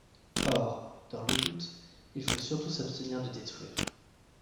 Or, dans le doute, il faut surtout s’abstenir de détruire.